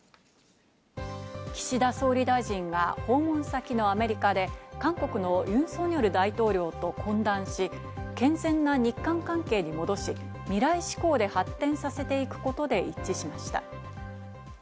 岸田総理大臣が訪問先のアメリカで韓国のユン・ソンニョル大統領と懇談し、健全な日韓関係に戻し、未来志向で発展させていくことで一致しました。